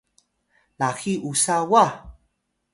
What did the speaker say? laxiy usa wa